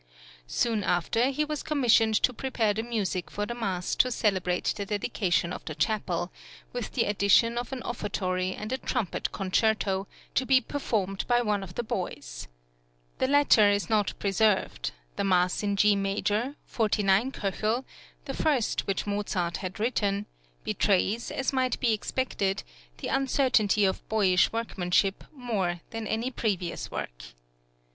Soon after he was commissioned to prepare the music for the mass to celebrate the dedication of the chapel, with the addition of an offertory and a trumpet concerto, to be performed by one of the boys. The latter is not preserved; the Mass in G major (49 K.), the first which Mozart had written, betrays, as might be expected, the uncertainty of boyish workmanship more than any previous work.